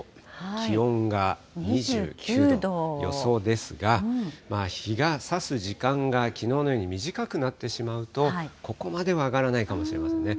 気温が２９度予想ですが、日がさす時間がきのうのように短くなってしまうと、ここまでは上がらないかもしれませんね。